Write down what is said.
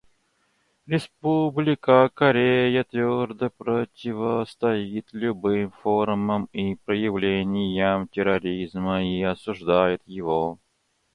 Республика Корея твердо противостоит любым формам и проявлениям терроризма и осуждает его.